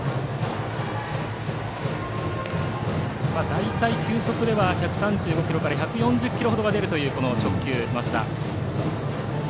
大体、球速では１３５キロから１４０キロが直球で出るという増田。